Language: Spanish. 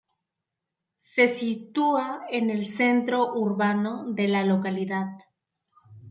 Se sitúa en el centro urbano de la localidad.